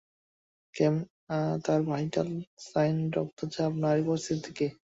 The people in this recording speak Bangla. ক্যাম, তার ভাইটাল সাইন, রক্ত চাপ, নাড়ির পরিস্থিতি কী?